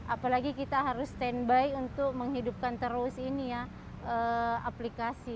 apalagi kita harus standby untuk menghidupkan terus ini ya aplikasi